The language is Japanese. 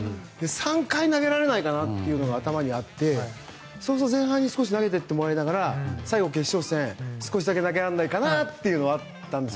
３回投げられないかなというのが頭にあってそうすると前半に少し投げていってもらいながら最後、決勝戦少しだけ投げられないかなっていうのはあったんです。